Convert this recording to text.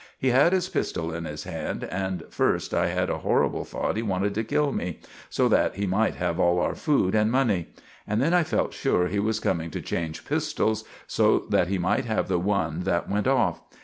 He had his pistell in his hand, and first I had a horrible thort he wanted to kill me, so that he mite have all our food and money; and then I felt sure he was coming to change pistells, so that he might have the one that went off.